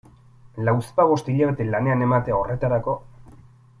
Lauzpabost hilabete lanean ematea horretarako...